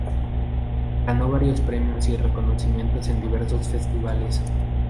Ganó varios premios y reconocimientos en diversos festivales.